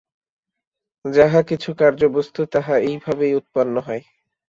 যাহা কিছু কার্যবস্তু, তাহা এইভাবেই উৎপন্ন হয়।